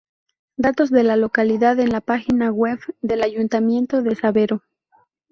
Datos de la localidad en la página web del ayuntamiento de Sabero.